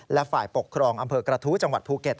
และฝ่ายปกครองอำเภอกระทู้จังหวัดภูเก็ต